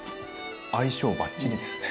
相性ばっちりですね。